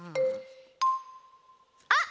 あっ！